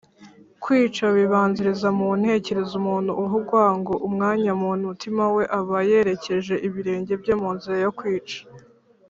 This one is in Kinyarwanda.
kwica bibanziriza mu ntekerezo umuntu uha urwango umwanya mu mutima we aba yerekeje ibirenge bye mu nzira yo kwica,